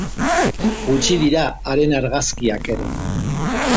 Gutxi dira haren argazkiak ere.